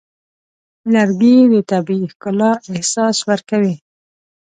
لرګی د طبیعي ښکلا احساس ورکوي.